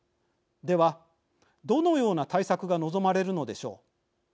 では、どのような対策が望まれるのでしょう。